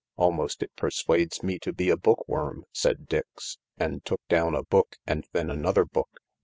" Almost it persuades me to be a book worm," said Dix, and took down a book and then another book.